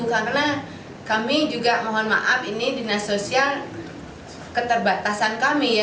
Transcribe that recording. karena kami juga mohon maaf ini dinas sosial keterbatasan kami ya